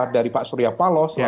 dari pak surya palos